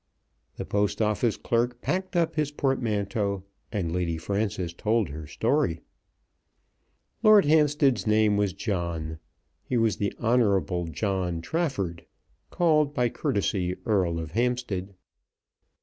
The Post Office clerk packed up his portmanteau, and Lady Frances told her story. Lord Hampstead's name was John. He was the Honourable John Trafford, called by courtesy Earl of Hampstead.